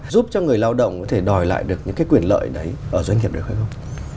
giúp cho người lao động có thể đòi lại được những cái quyền lợi đấy ở doanh nghiệp được hay không